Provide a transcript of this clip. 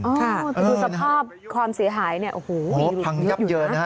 ดูสภาพความเสียหายเนี่ยโอ้โหพังยับเยอะนะ